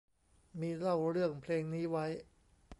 มีเล่าเรื่องเพลงนี้ไว้